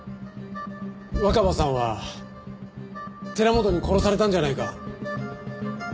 若葉さんは寺本に殺されたんじゃないか？